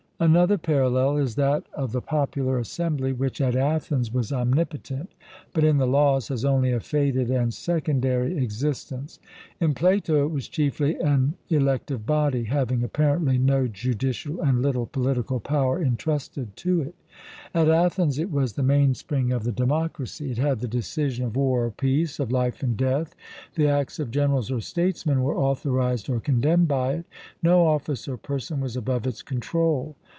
Another parallel is that of the Popular Assembly, which at Athens was omnipotent, but in the Laws has only a faded and secondary existence. In Plato it was chiefly an elective body, having apparently no judicial and little political power entrusted to it. At Athens it was the mainspring of the democracy; it had the decision of war or peace, of life and death; the acts of generals or statesmen were authorized or condemned by it; no office or person was above its control.